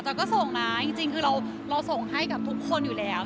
แต่ก็ส่งนะจริงคือเราส่งให้กับทุกคนอยู่แล้ว